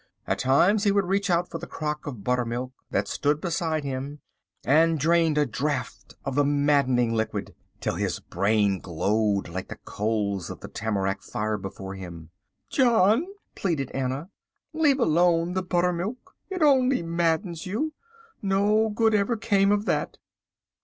At times he would reach out for the crock of buttermilk that stood beside him and drained a draught of the maddening liquid, till his brain glowed like the coals of the tamarack fire before him. "John," pleaded Anna, "leave alone the buttermilk. It only maddens you. No good ever came of that."